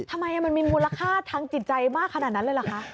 ทำไมมันมีมูลค่าทางจิตใจมากขนาดนั้นเลยเหรอคะ